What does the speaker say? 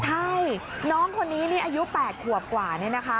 ใช่น้องคนนี้อายุ๘ขวบกว่า